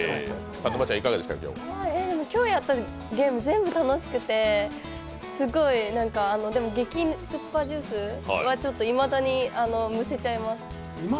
今日やったゲーム、全部楽しくて、すごい、でも激酸っぱジュースいまだにむせちゃいます。